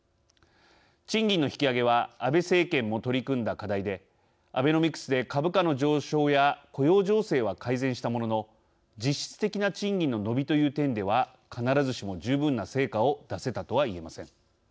賃金の引き上げは安倍政権も取り組んだ課題でアベノミクスで株価の上昇や雇用情勢は改善したものの実質的な賃金の伸びという点では必ずしも十分な成果を出せたとはいえません。